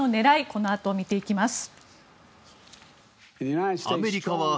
このあと見ていきます。